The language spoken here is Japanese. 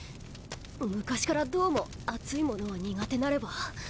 昔からどうも熱いものは苦手なれば。